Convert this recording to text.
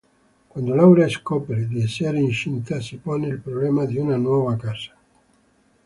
Quando Laura scopre di essere incinta si pone il problema di una nuova casa.